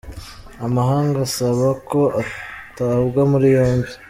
Amahanga asaba ko atabwa muri yombi.